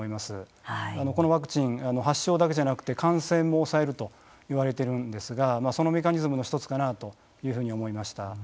このワクチン発症だけじゃなくて感染も抑えると言われているんですがそのメカニズムの一つかなというふうに思いました。